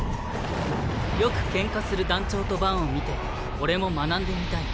よく喧嘩する団長とバンを見て俺も学んでみたい。